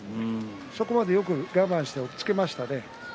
そこまで我慢して押っつけましたね。